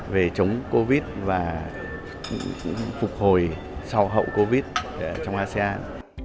về chống covid và phục hồi sau hậu covid trong asean